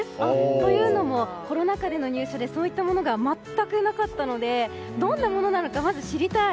というのもコロナ禍の入社でそういうのが全くなかったのでどういったものなのかまず知りたい。